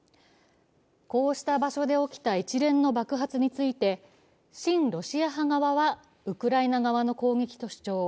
こうした場所で起きた一連の爆発について親ロシア派側はウクライナ側の攻撃と主張。